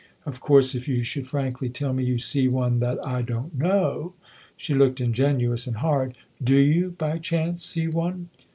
Of course if you should frankly tell me you see one that I don't know !" She looked ingenuous and hard. " Do you, by chance, see one